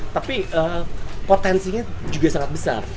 tapi potensinya juga sangat besar